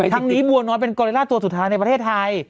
ทั้งนี้บัวน้อยเป็นกอริล่าตัวสุดท้ายในประเทศไทย